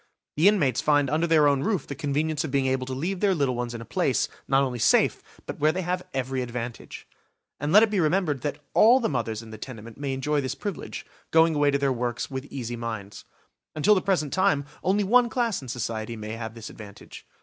The inmates find under their own roof the convenience of being able to leave their little ones in a place, not only safe, but where they have every advantage. And let it be remembered that all the mothers in the tenement may enjoy this privilege, going away to their works with easy minds. Until the present time only one class in society might have this advantage.